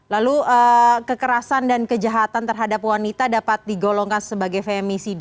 lalu kekerasan dan kejahatan terhadap wanita dapat digolongkan sebagai femisida